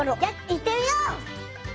いってみよう！